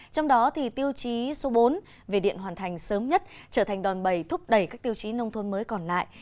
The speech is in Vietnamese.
trong đó tiêu chí số bốn về điện hoàn thành sớm nhất trở thành đòn bầy thúc đẩy các tiêu chí nông thôn mới còn lại